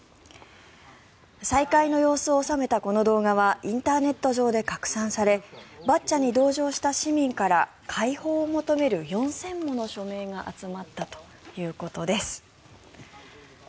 再会の様子を収めたこの動画はインターネット上で拡散されバッチャに同情した市民から解放を求める４０００もの署名が集まったということです。